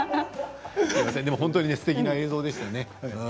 本当にすてきな映像でしたね。